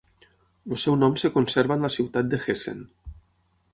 El seu nom es conserva en la ciutat de Hessen.